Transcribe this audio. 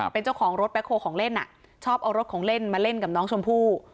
เป็นเจ้าของรถแบ็คโฮลของเล่นชอบเอารถของเล่นมาเล่นกับน้องชมพู่